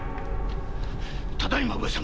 ただいま上様